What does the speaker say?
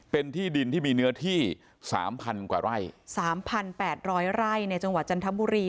เป็นที่ดินที่มีเนื้อที่สามพันกว่าไร่สามพันแปดร้อยไร่ในจังหวัดจันทบุรี